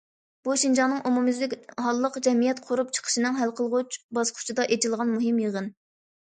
بۇ شىنجاڭنىڭ ئومۇميۈزلۈك ھاللىق جەمئىيەت قۇرۇپ چىقىشنىڭ ھەل قىلغۇچ باسقۇچىدا ئېچىلغان مۇھىم يىغىن.